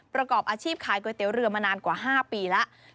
ประกอบอาชีพขายก๋วยเตี๋ยวเรือมานานกว่า๕ปีแล้ว